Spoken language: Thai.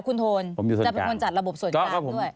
คุณโทนจะเป็นคนจัดระบบส่วนกลางด้วย